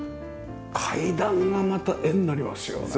階段がまた絵になりますよね。